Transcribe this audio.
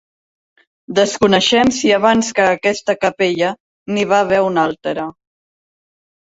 Desconeixem si abans que aquesta capella n'hi va haver una altra.